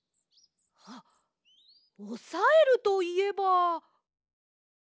あっおさえるといえば。